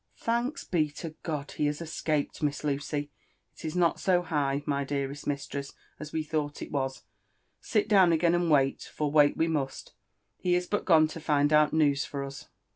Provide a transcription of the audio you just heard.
<' Thanks be to God, he has escaped. Miss Lucy !— Il is not so high, my dearest mistress, as we thought it was ; sit down again and wait— for wait we must — ^he is gone to find out news for us."